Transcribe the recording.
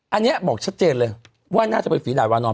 อันนี้บอกชัดเจนเลยว่าน่าจะเป็นฝีดาดวานอน